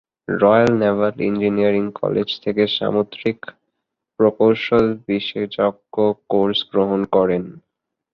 Royal Naval Engineering College থেকে সামুদ্রিক প্রকৌশল বিশেষজ্ঞ কোর্স গ্রহণ করেন।